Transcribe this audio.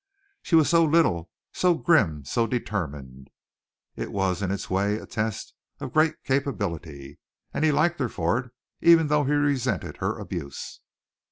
She was so little, so grim, so determined! It was in its way a test of great capability. And he liked her for it even though he resented her abuse.